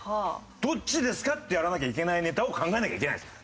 「どっちですか？」ってやらなきゃいけないネタを考えなきゃいけないんです。